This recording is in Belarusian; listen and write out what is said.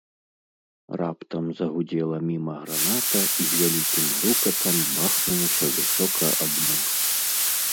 Раптам загудзела міма граната і з вялікім грукатам бахнулася высока аб мур.